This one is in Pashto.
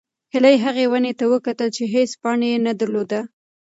هیلې هغې ونې ته وکتل چې هېڅ پاڼه یې نه درلوده.